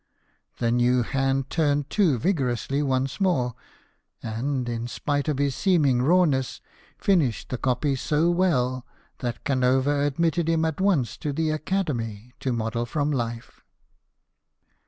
The new hand turned to vigorously once more ; and, in spite of his seeming raw ness, finished the copy so well that Canova admitted him at once to the Academy to model from life.